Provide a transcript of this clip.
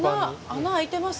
穴穴開いてます